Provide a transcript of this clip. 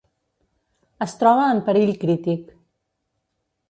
Es troba en perill crític.